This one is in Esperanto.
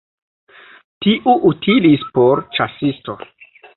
Tiu utilis por ĉasisto.